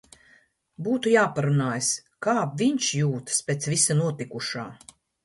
Būtu jāaprunājas, kā viņš jūtas pēc visa notikušā.